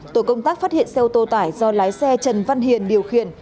tổ công tác phát hiện xe ô tô tải do lái xe trần văn hiền điều khiển